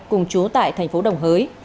cùng chú tại thành phố đồng hới